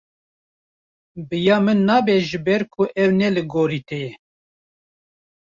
Bi ya min nabe ji ber ku ev ne li gorî te ye.